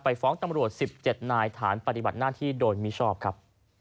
ฟ้องตำรวจ๑๗นายฐานปฏิบัติหน้าที่โดยมิชอบครับ